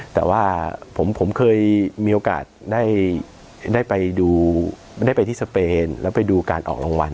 แต่ว่าผมเคยมีโอกาสได้ไปดูไม่ได้ไปที่สเปนแล้วไปดูการออกรางวัล